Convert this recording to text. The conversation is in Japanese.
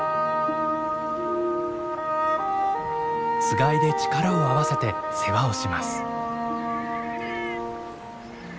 つがいで力を合わせて世話をします。